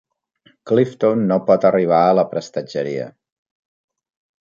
Clifton no pot arribar a la prestatgeria.